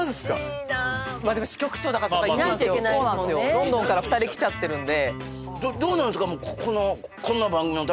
ロンドンから２人来ちゃっているんで。